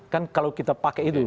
kan kalau kita pakai itu